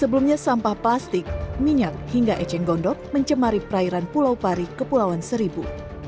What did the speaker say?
sebelumnya sampah plastik minyak hingga eceng gondok mencemari perairan pulau pari kepulauan seribu